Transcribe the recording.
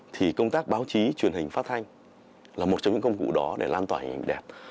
thì công tác báo chí truyền hình phát thanh là một trong những công cụ đó để lan tỏa hình đẹp